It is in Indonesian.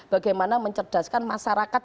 bagaimana mencerdaskan masyarakat